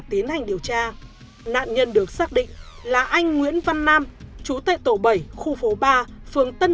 tiến hành điều tra nạn nhân được xác định là anh nguyễn văn nam chú tại tổ bảy khu phố ba phường tân